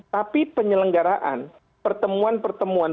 tapi penyelenggaraan pertemuan pertemuan